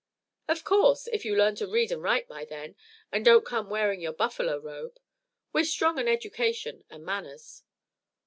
"Of course, if you learn to read and write by then, and don't come wearing your buffalo robe. We're strong on education and manners."